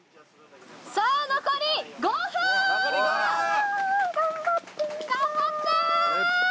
さぁ残り５分！